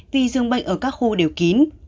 vì dường bệnh ở các khu đều kín